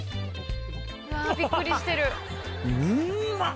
うわびっくりしてるうんまっ！